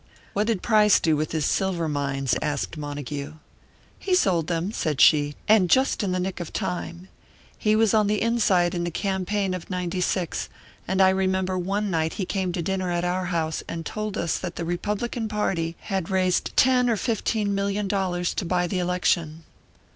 "What did Price do with his silver mines?" asked Montague. "He sold them," said she, "and just in the nick of time. He was on the inside in the campaign of '96, and I remember one night he came to dinner at our house and told us that the Republican party had raised ten or fifteen million dollars to buy the election.